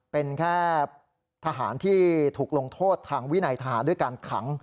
เป็นแค่ทหารที่ถูกลงโทษทางวินัยทหารด้วยการขัง